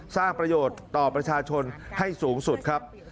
สร้างประโยชน์ต่อประชาชนให้สูงสุดครับ